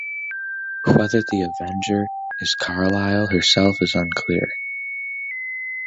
Whether the Avenger is Carlyle herself is unclear.